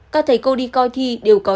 các thầy cô đi coi thi đều có